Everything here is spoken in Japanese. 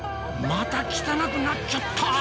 また汚くなっちゃった！